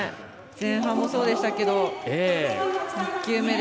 前半もそうでしたけど１球目で。